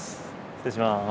失礼します。